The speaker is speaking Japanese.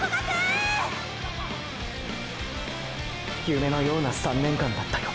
夢のような３年間だったよ